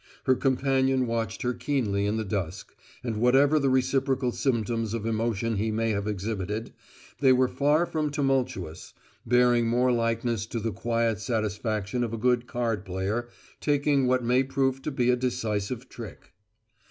Her companion watched her keenly in the dusk, and whatever the reciprocal symptoms of emotion he may have exhibited, they were far from tumultuous, bearing more likeness to the quiet satisfaction of a good card player taking what may prove to be a decisive trick.